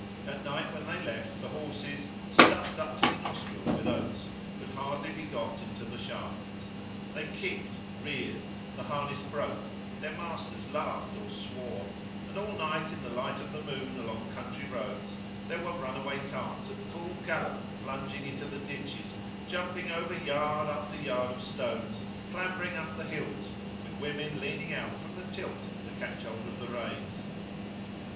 At night when they left, the horses, stuffed up to the nostrils with oats, could hardly be got into the shafts; they kicked, reared, the harness broke, their masters laughed or swore; and all night in the light of the moon along country roads there were runaway carts at full gallop plunging into the ditches, jumping over yard after yard of stones, clambering up the hills, with women leaning out from the tilt to catch hold of the reins.